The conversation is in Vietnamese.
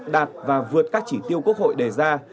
đạt và vượt các chỉ tiêu quốc hội đề ra